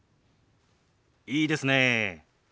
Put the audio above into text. いいですねえ。